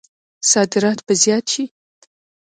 صادرات به زیات شي؟